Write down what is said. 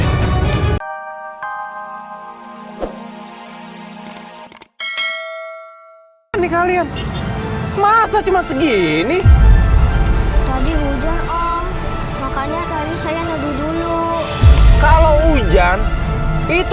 hai ini kalian masa cuma segini tadi hujan oh makanya tadi saya nanti dulu kalau hujan itu